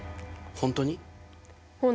本当に？